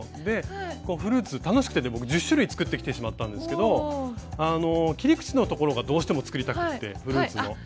フルーツ楽しくて僕１０種類作ってきてしまったんですけど切り口のところがどうしても作りたくてフルーツの。